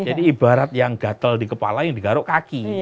jadi ibarat yang gatel di kepala yang digaruk kaki